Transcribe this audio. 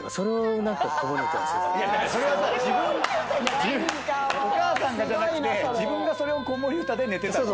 それはさお母さんがじゃなくて自分がそれを子守唄で寝てたってこと？